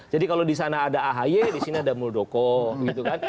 jadi kalau di sana ada ahy di sini ada muldoko gitu kan